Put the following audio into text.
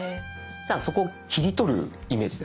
じゃあそこ切り取るイメージですかね？